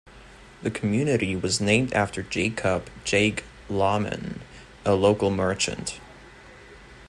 The community was named after Jacob "Jake" Lahman, a local merchant.